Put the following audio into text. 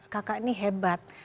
kakak ini hebat